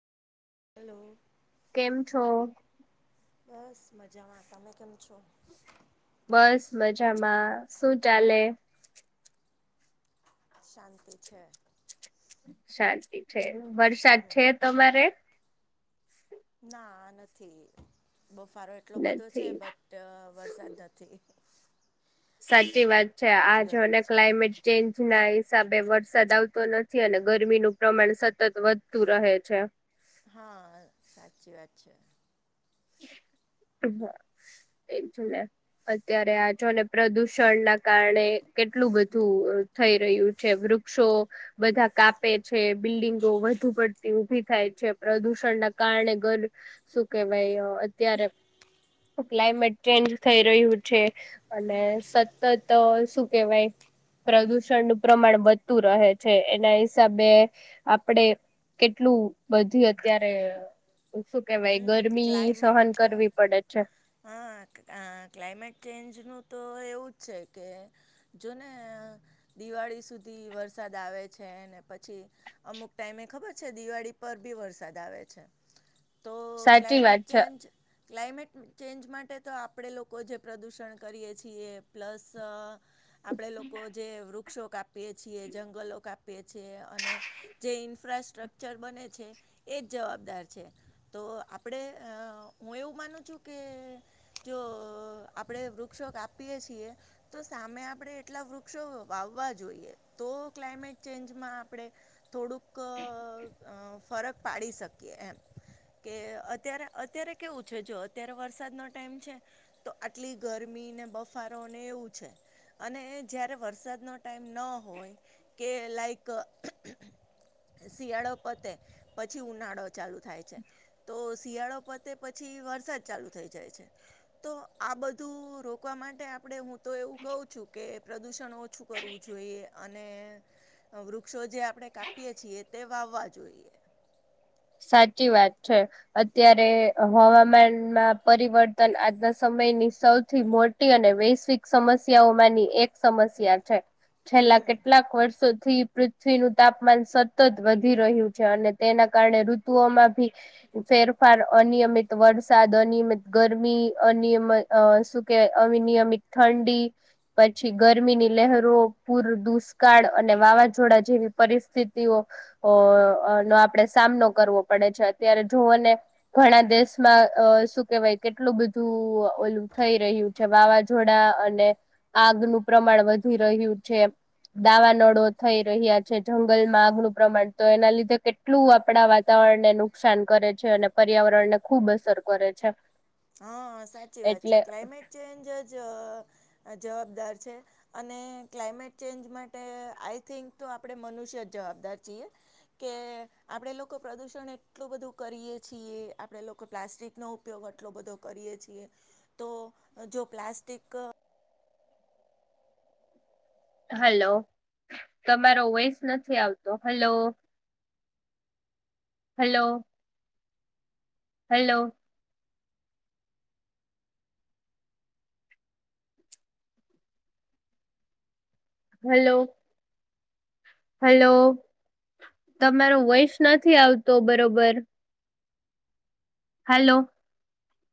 Hello કેમ છો? બસ મજામાં તમે કેમ છો? બસ મજામાં શું ચાલે શાંતિ છે. શાંતિ છે વરસાદ છે તમારે ના નથી બફારો એટલો બધો છે નથી બટ વરસાદ નથી સાચી વાત છે બહુ જ આ જો ને ગરમી છે ક્લાઇમેટ ચેન્જ ના હિસાબે વરસાદ આવતો નથી અને ગરમીનું પ્રમાણ સતત વધતું રહે છે. હા સાચી વાત છે. હમ એજ ને અત્યારે આજ જોને પ્રદુષણ ના કારણે કેટલું બધું અ થઈ રહ્યું છે. છે વૃક્ષો બધા કાપે છે બિલ્ડીંગો વધુ પડતી ઉભી થાય છે પ્રદુષણ ણ ના કારણે ઘર શું કે ભાઈ અત્યારે ક્લાયમેટ ચેન્જ થઈ રહ્યું છે. અને સત તો શું કેહેવાય પ્રદુષણનું‌ પ્રમાણ વધતું રહે છે એના હિસાબે આપણેે કેટલું બધી અત્યારે શું કેવાય હમ ગરમી સહન ક્લાઇમેટ કરવી પડે છે હા ન ક્લાઇમેટ ચેન્જનું તો હ [inaudible] એવું જો ને દિવાળી સુધી વરસાદ આવે છેને પછ અમુક ટાઈમે ખબર છે દિવાળી પર ભી વરસાદ આવે છે. [inaudible] [inaudible] તો સાચી વાત ક્લાઇમેટ છે ચેન્જ ક્લાઇમેટ ચેન્જ માટે તો આપણે લોકો જે પ્રદૂષણ કરીએ છીએ પ્લસ અ આપડે લોકો જે વૃક્ષો કાપીએ છીએ જંગલો કાપી આપ છે અને જે ઇન્ફ્રાસ્ટ્રકચર બને છે એ જ જવાબદાર છે તો આપણે અ હું એવું માનું છું કે જો અ આપણે વૃક્ષો કાપિયે છીએ તો સામે આપણે એટલા વૃક્ષો વાવવા જોઈએ તો ક્લાયમેટ ચેન્જ ચેન્જ માં આપણે થોડુંક અ ફરક પાડી શકીએ એમ કે અત્યારે અત્યારે કેવું છે જો અત્યારે વરસાદનો ટાઈમ છે તો આટલી ગરમીને બફારો ને એવું છે અને જયારે વરસાદનો ટાઈમ ન હોય કે લાઈક અ શિયાળો પતે પછી ઉનાળો ચાલુ થાય છે તો શિયાળો પતે પછી વરસાદ ચાલુ થઈ જાય છે તો આ બધું રોકવા માટે આપણે હું તો એવું કઉ છું કે પ્રદુષણ ઓછું કરવું જોઈએ અને વૃક્ષો જે આપણે કાપીએ છીએ તે વાવવા જોઈએ હ [inaudible] સાચી વાત છે અત્યારે હવામાનમાં પરિવર્તન આજના સમય ની સૌથી મોટી અને વૈશ્વિક સમસ્યાઓમાંની એક સમસ્યા છે છેલ્લા હમ કેટલાક વર્ષો થી પૃથ્વીનું તાપમાન સતત વધી રહ્યું છે અને તેના કારણે ઋતુમાં ભી ફેરફાર અનિયમિત વરસાદ અનિયમિત ગરમી અનિયમિત અ શું કે અવિનિયમિત ઠંડી પછી ગરમીની લહેરો પૂર દૂષ દુષ્કાળ અને વાવાઝોડા જેવી પરિસ્થિતિઓ અ નો આપે સામનો કરવો પડે છે અત્યારે જોને ઘણા દેશમાં અ શું કેહેવાય કેટલું બધું ઓલું થઈ રહ્યું છે વાવાઝોડા અને આગનું પ્રમાણ વધી રહ્યું છે દાવાનળો થઈ રહ્યા છે જંગલમાં આગનું પ્રમાણ તો એના લીધે કેટલું આપણા વા વાતાવરણ ને નુકસાન કરે છે અને પર્યાવરણ ને ખુબ અસર કરે છે હા સાચી વાત છે એટલે ક્લાયમેટ ચેન્જ જ જવાબદાર છે અને ક્લાઇમેટ ચેન્જ માટે આઈ થિંક તો આપણેે મનુષ્ય જ જવાબદારીએ કે આપણે લોકો પ્રદુષણ એટલું બધું કરીએ છીએ આપણે લોકો પ્લાસ્ટિક નો ઉપયોગ આટલો બધો કરીએ છીએ તો જો પ્લાસ્ટિક હલો તમારો વોઇસ નથી આવતો hello hello hello hello hello તમારો વોઈસ નથી આવતો બરોબર હલો